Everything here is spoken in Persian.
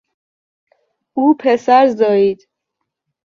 او پسر زایید.